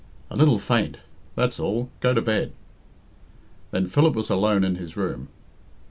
"A little faint that's all. Go to bed." Then Philip was alone in his room.